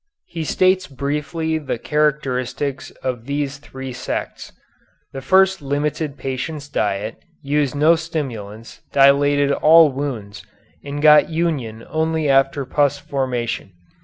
He states briefly the characteristics of these three sects. The first limited patients' diet, used no stimulants, dilated all wounds, and got union only after pus formation.